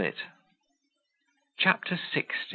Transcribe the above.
CHAPTER LX.